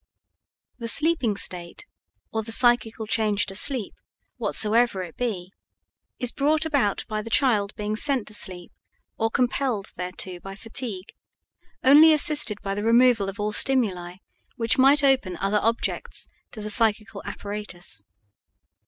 The sleeping state or the psychical change to sleep, whatsoever it be, is brought about by the child being sent to sleep or compelled thereto by fatigue, only assisted by the removal of all stimuli which might open other objects to the psychical apparatus.